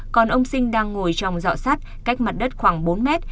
còn ông sinh đang ngồi trong dọ sát cách mặt đất khoảng bốn mét